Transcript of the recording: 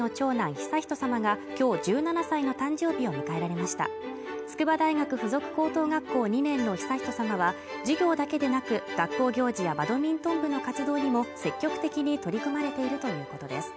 悠仁さまが今日１７歳の誕生日を迎えられました筑波大学附属高等学校２年の悠仁さまは授業だけでなく学校行事やバドミントン部の活動にも積極的に取り組まれているということです